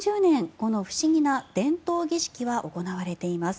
この不思議な伝統儀式は行われています。